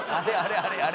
あれあれ？」